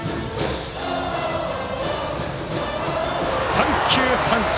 ３球三振！